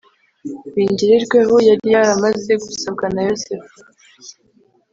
bingirirweho yari yaramaze gusabwa naYozefu.